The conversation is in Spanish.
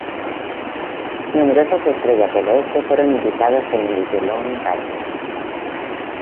Numerosas estrellas del oeste fueron invitados en The Lone Ranger.